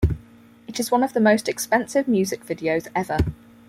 It is one of the most expensive music videos ever.